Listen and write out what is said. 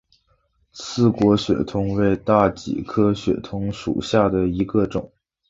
刺果血桐为大戟科血桐属下的一个种。